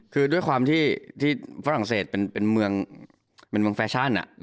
คือด้วยความที่ฝรั่งเศสเป็นเมืองแฟชั่น